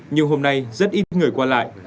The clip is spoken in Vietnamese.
nhưng hôm nay rất ít người qua lại